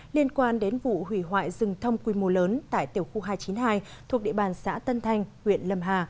liên quan đến vụ hủy hoại rừng thông quy mô lớn tại tiểu khu hai trăm chín mươi hai thuộc địa bàn xã tân thanh huyện lâm hà